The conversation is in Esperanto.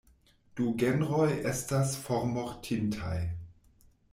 Du genroj estas formortintaj.